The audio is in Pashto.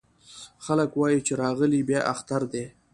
خلک وايې چې راغلی بيا اختر دی